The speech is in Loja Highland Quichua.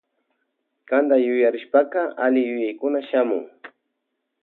Kanta yuyarishpaka alli yuyaykuna shamun.